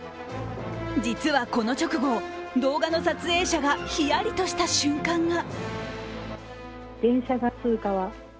実はこの直後、動画の撮影者がヒヤリとした瞬間が。